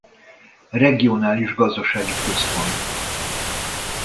Regionális gazdasági központ.